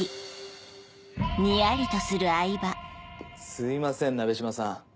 すいません鍋島さん。